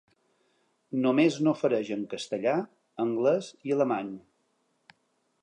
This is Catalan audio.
Només n’ofereix en castellà, anglès i alemany.